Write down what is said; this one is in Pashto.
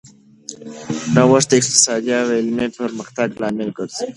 نوښت د اقتصادي او علمي پرمختګ لامل ګرځي.